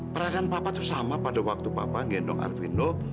perasaan papa tuh sama pada waktu papa ngendong ayamnya itu